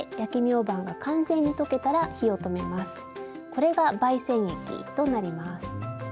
これが媒染液となります。